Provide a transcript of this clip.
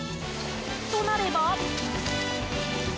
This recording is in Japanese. となれば。